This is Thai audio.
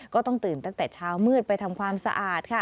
ก็ต้องตื่นตั้งแต่เช้ามืดไปทำความสะอาดค่ะ